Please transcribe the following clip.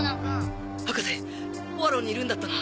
博士ポアロにいるんだったな？